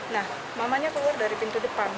nah mamanya keluar dari pintu depan